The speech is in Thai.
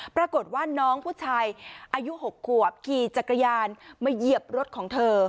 ปรากฏว่าน้องผู้ชายอายุ๖ขวบขี่จักรยานมาเหยียบรถของเธอ